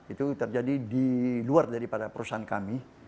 itu terjadi di luar daripada perusahaan kami